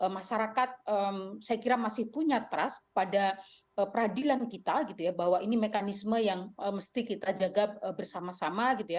masyarakat saya kira masih punya trust pada peradilan kita bahwa ini mekanisme yang mesti kita jaga bersama sama